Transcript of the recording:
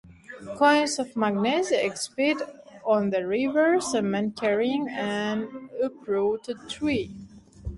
Coins of Magnesia exhibit on the reverse a man carrying an uprooted tree.